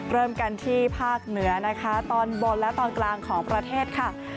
เริ่มกันที่ภาคเหนือนะคะตอนบนและตอนกลางของประเทศค่ะ